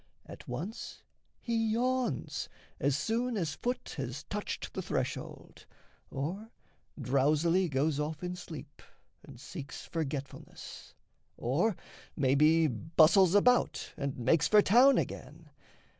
At once He yawns, as soon as foot has touched the threshold, Or drowsily goes off in sleep and seeks Forgetfulness, or maybe bustles about And makes for town again.